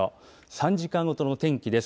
３時間ごとの天気です。